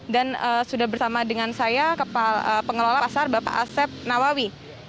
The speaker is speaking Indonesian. dan sudah bersama dengan saya pengelola pasar bapak asep nawawi